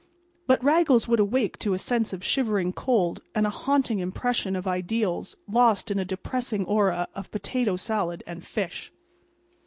But Raggles would awake to a sense of shivering cold and a haunting impression of ideals lost in a depressing aura of potato salad and fish.